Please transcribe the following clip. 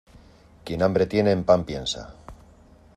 Quien hambre tiene, en pan piensa.